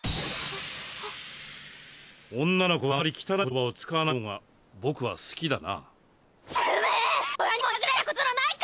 女の子はあまり汚い言葉を使わないほうが僕は好きだな。